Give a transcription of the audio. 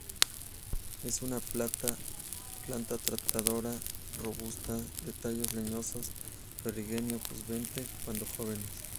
Es una planta trepadora robusta, de tallos leñosos, ferrugíneo-pubescentes cuando jóvenes.